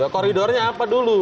koridornya apa dulu